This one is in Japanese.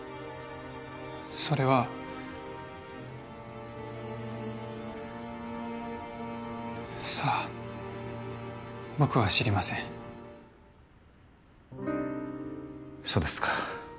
それはさあ僕は知りませんそうですか